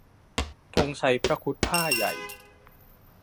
ธงชัยพระครุฑพ่าห์ใหญ่